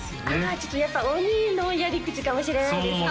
あちょっとやっぱ鬼のやり口かもしれないですね